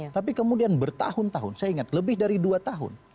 tapi kemudian bertahun tahun saya ingat lebih dari dua tahun